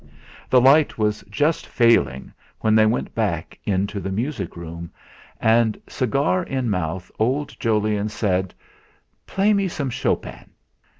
The light was just failing when they went back into the music room. And, cigar in mouth, old Jolyon said: "Play me some Chopin."